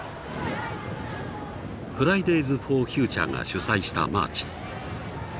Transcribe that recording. フライデーズ・フォー・フューチャーが主催したマーチ。